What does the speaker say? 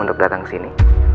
saya mau ke sana